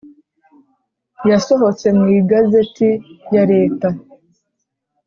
Yasohotse mu igazeti ya leta